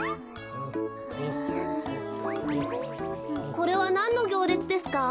これはなんのぎょうれつですか？